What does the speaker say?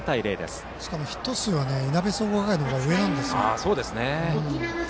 しかもヒット数はいなべ総合学園の方が上なんです。